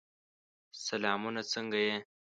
سلامونه! څنګه یې؟